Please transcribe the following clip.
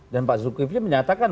dan pak zulkifli menyatakan